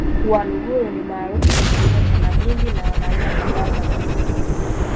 Waluguru ni maarufu kwa kilimo cha magimbi na wana aina kadhaa za magimbi